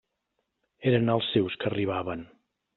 Eren els seus que arribaven.